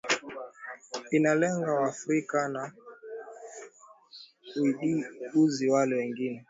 inalenga waafrika na haiguzi wale wengine